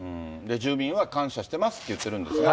住民は感謝してますって言ってるんですが。